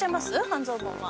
半蔵門は。